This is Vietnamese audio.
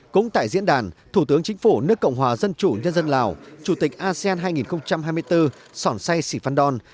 cũng tại diễn đàn thủ tướng chính phủ nước cộng hòa dân chủ nhân dân lào chủ tịch asean hai nghìn hai mươi bốn sòn say sì phan đòn